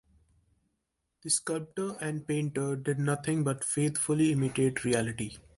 The sculptor and painter did nothing but faithfully imitate reality.